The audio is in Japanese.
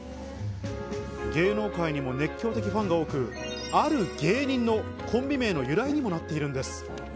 芸能界にも熱狂的ファンが多く、ある芸人のコンビ名の由来にもなっているんです。